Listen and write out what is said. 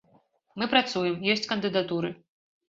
Мы працуем, ёсць кандыдатуры.